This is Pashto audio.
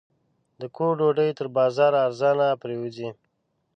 د کور ډوډۍ تر بازاره ارزانه پرېوځي.